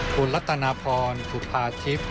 คุณรัตนาพรสุภาทิพย์